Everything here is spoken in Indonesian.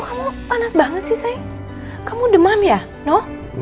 kamu panas banget sih saya kamu demam ya no